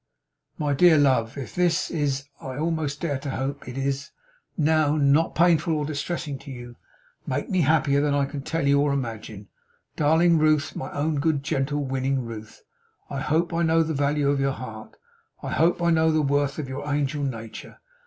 'My dear love! If this is I almost dare to hope it is, now not painful or distressing to you, you make me happier than I can tell, or you imagine. Darling Ruth! My own good, gentle, winning Ruth! I hope I know the value of your heart, I hope I know the worth of your angel nature.